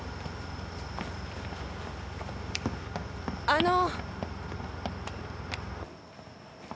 あの！